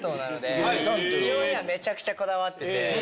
美容にはめちゃくちゃこだわってて。